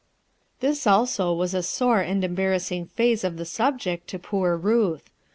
This also was a soro and embarrassing phase of the subject to poor Ruth.